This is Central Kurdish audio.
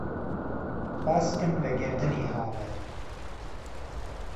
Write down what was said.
باسکم له گهردنی هاڵێ